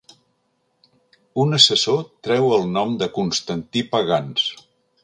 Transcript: Un assessor treu el nom de Constantí Pagans.